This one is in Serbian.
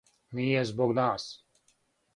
Није због нас.